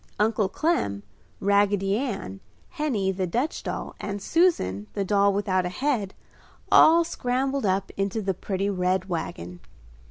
Uncle Clem, Raggedy Ann, Henny, the Dutch doll and Susan, the doll without a head, all scrambled up into the pretty red wagon.